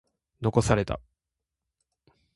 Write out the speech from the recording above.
残された。